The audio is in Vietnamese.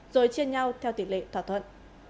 rồi chia nhau theo tiền lệ thỏa thuận